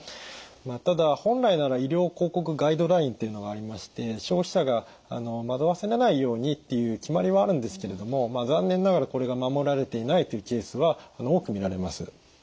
ただ本来なら医療広告ガイドラインっていうのがありまして消費者が惑わされないようにっていう決まりはあるんですけれども残念ながらこれが守られていないというケースは多く見られます。